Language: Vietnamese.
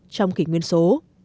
trong kỷ nguyên số